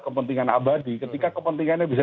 kepentingan abadi ketika kepentingannya bisa